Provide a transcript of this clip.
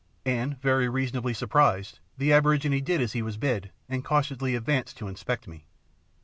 And, very reasonably, surprised, the aborigine did as he was bid and cautiously advanced to inspect me.